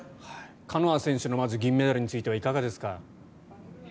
カノア選手の銀メダルについてはいかがですか。